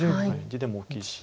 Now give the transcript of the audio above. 地でも大きいし。